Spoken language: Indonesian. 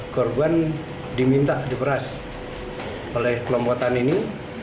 korban diminta diperas oleh kelompokan ini